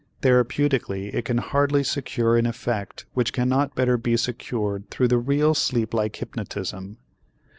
Therapeutically it can hardly secure an effect which cannot better be secured through the real sleeplike hypnotism.